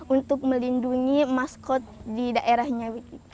untuk melindungi maskot di daerahnya